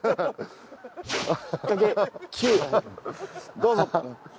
どうぞ。